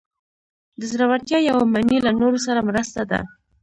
د زړورتیا یوه معنی له نورو سره مرسته ده.